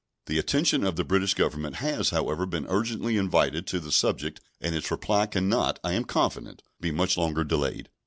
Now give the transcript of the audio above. The attention of the British Government has, however, been urgently invited to the subject, and its reply can not, I am confident, be much longer delayed.